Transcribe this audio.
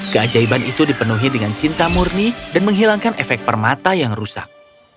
keajaiban itu dipenuhi dengan cinta murni dan menghilangkan efek permata yang rusak